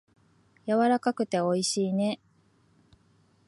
やわらかくておいしいね。